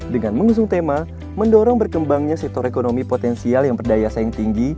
dengan mengusung tema mendorong berkembangnya sektor ekonomi potensial yang berdaya saing tinggi